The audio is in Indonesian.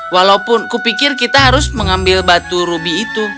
walaupun kupikir kita harus mengambil batu rubi itu